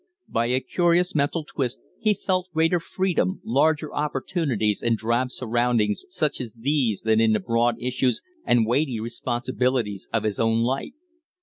By a curious mental twist he felt greater freedom, larger opportunities in drab surroundings such as these than in the broad issues and weighty responsibilities of his own life.